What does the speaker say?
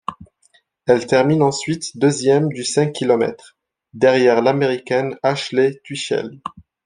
Elle termine ensuite deuxième du cinq kilomètres, derrière l'Américaine Ashley Twichell.